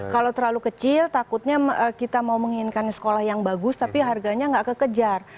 kalau terlalu kecil takutnya kita mau menginginkan sekolah yang bagus tapi harganya nggak kekejar